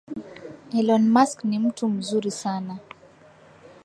Elon Musk ni mtu mzuri sana